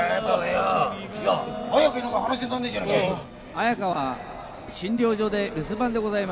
彩佳は診療所で留守番でございます。